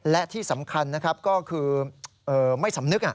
และที่สำคัญนะครับก็คือไม่สำนึก